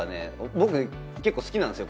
僕結構好きなんですよ